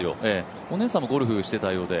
お姉さんもゴルフをしていたようで。